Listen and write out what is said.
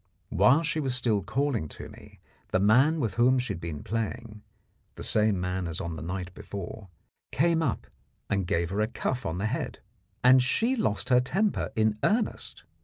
While she was still calling to me, the man with whom she had been playing the same man as on the night before came up and gave her a cuff on the head, and she lost her temper in earnest.